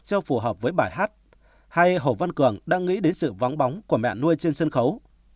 cho phù hợp với bài hát hay hồ văn cường đang nghĩ đến sự vắng bóng của mẹ nuôi trên sân khấu